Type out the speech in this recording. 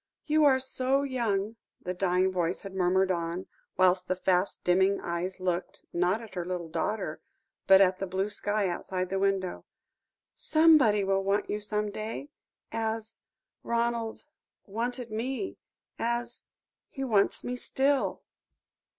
"You are so young," the dying voice had murmured on, whilst the fast dimming eyes looked, not at her little daughter, but at the blue sky outside the window, "somebody will want you some day as Ronald wanted me as he wants me still."